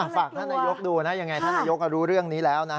ฝากท่านนายกดูนะยังไงท่านนายกก็รู้เรื่องนี้แล้วนะ